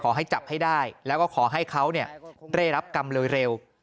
ขอให้จับให้ได้แล้วก็ขอให้เขาได้รับกรรมเร็ว